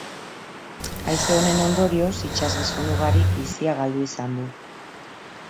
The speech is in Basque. Haize honen ondorioz itsasgizon ugarik bizia galdu izan du.